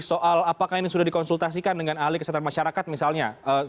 soal apakah ini sudah dikonsultasikan dengan ahli kesehatan masyarakat misalnya